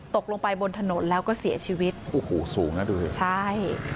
ตกลงไปบนถนนแล้วก็เสียชีวิตโอ้โหสูงนะดูสิใช่